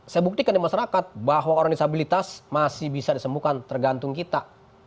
saya buktikan di masyarakat bahwa orang disabilitas masih bisa disembuhkan tergantung kita